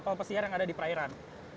atau seperti pesiar yang ada di perairan